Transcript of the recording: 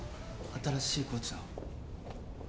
新しいコーチの。